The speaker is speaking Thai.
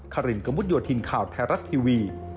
คารินกะมุดยวทินทร์ข่าวแทรรัสทีวี